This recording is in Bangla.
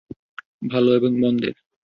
ভালো এবং মন্দের।